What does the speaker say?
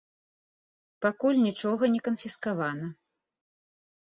Пакуль нічога не канфіскавана.